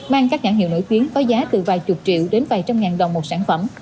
mang các nhãn hiệu nổi tiếng có giá từ vài chục triệu đến vài trăm ngàn đồng một sản phẩm